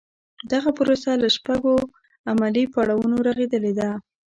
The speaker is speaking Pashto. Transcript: دغه پروسه له شپږو عملي پړاوونو رغېدلې ده.